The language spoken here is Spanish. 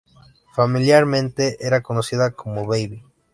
Familiarmente, era conocida como "Baby".